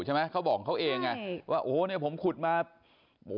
ใช่ไหมเขาบอกเขาเองใช่ว่าโอ้โหเนี้ยผมขุดมาโอ้โห